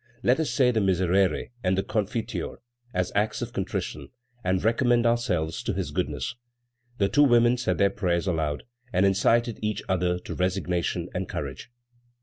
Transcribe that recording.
Let us say the Miserere and the Confiteor as acts of contrition, and recommend ourselves to His goodness." The two women said their prayers aloud, and incited each other to resignation and courage.